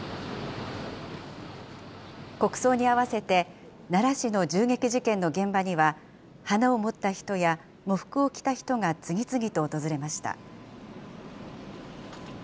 国葬に合わせて、奈良市の銃撃事件の現場には、花を持った人や喪服を着た人が次々と訪れました。